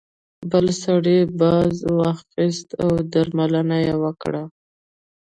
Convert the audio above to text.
بل سړي باز واخیست او درملنه یې وکړه.